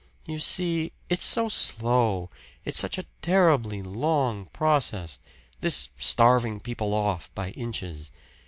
You see, it's so slow it's such a terribly long process this starving people off by inches.